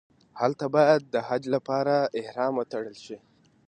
هلته باید د حج لپاره احرام وتړل شي.